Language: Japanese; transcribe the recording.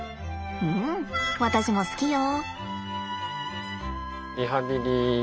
ん私も好きよ。